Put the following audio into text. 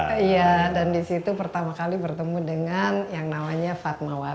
iya dan disitu pertama kali bertemu dengan yang namanya fatmawati